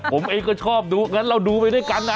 ผมเองก็ชอบดูงั้นเราดูไปด้วยกัน